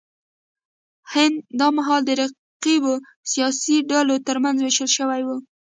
هند دا مهال د رقیبو سیاسي ډلو ترمنځ وېشل شوی و.